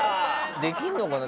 できるのかな？